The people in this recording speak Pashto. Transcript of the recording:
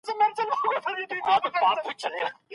ایا مسلکي بڼوال وچه میوه ساتي؟